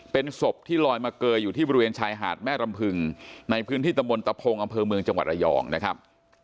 เป็นศพที่ลอยมาเกยอยู่ที่บริเวณชายหาดแม่รำพึงในพื้นที่ตะมนตะพงอำเภอเมืองจังหวัดระยองนะครับ